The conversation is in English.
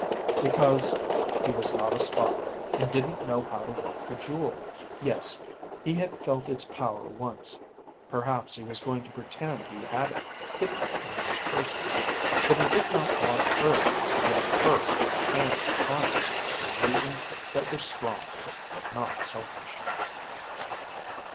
"Because he was not a spy, and didn't know how to work the jewel. Yes, he had felt its power once. Perhaps he was going to pretend he had it hidden on his person. But he did not want her to get her hands on it for reasons that were strong, but not selfish.